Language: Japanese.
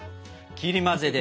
切り混ぜで。